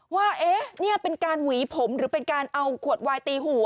ว่านี่เป็นการหวีผมหรือเป็นการเอาขวดวายตีหัว